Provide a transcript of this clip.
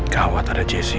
gawat ada jessy